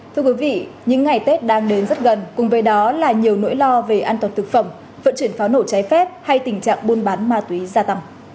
thưa quý vị những ngày tết đang đến rất gần cùng với đó là nhiều nỗi lo về an toàn thực phẩm vận chuyển pháo nổ trái phép hay tình trạng buôn bán ma túy gia tăng